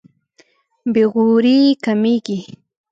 بې غوري کمېږي.